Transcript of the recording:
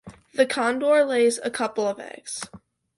The condor lays a couple of eggs.